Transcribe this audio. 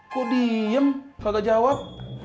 kok diem kagak jawab